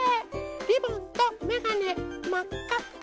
リボンとめがねまっかっか。